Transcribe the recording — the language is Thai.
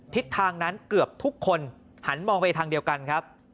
ทิศทางนั้นเกือบทุกคนหันมองไปทางเดียวกันครับ